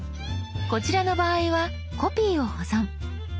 こちらの場合は「コピーを保存」。